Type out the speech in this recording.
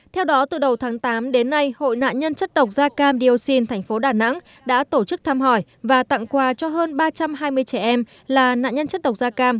theo đó từ đầu tháng tám đến nay hội nạn nhân chất độc da cam dioxin tp đà nẵng đã tổ chức thăm hỏi và tặng quà cho hơn ba trăm hai mươi trẻ em là nạn nhân chất độc da cam